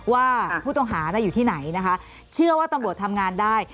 ว่าผู้ต้องหาอยู่ที่ไหนนะคะเชื่อว่าตำรวจทำงานได้